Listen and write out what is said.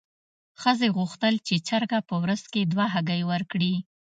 ښځې غوښتل چې چرګه په ورځ کې دوه هګۍ ورکړي.